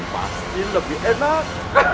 pasti lebih enak